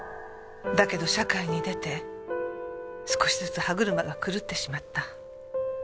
だけど社会に出て少しずつ歯車が狂ってしまった。